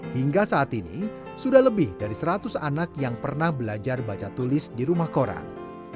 hingga saat ini sudah lebih dari seratus anak yang pernah belajar baca tulis di rumah koran